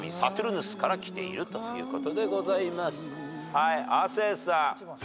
はい亜生さん。